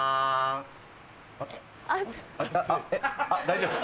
大丈夫？